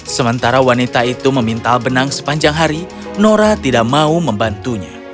sementara wanita itu memintal benang sepanjang hari nora tidak mau membantunya